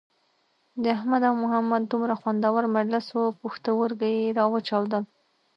د احمد او محمد دومره خوندور مجلس وو پوښتورگي یې را وچاودل.